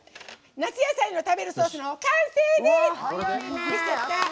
「夏野菜の食べるソース」の完成です！